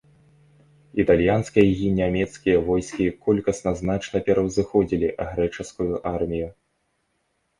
Італьянскія і нямецкія войскі колькасна значна пераўзыходзілі грэчаскую армію.